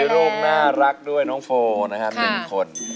มีลูกน่ารักด้วยน้องโฟล์นะครับเป็นคน